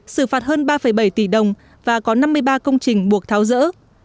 xử phạt hơn ba bảy tỷ đồng và có năm mươi ba công trình buộc tháo rỡ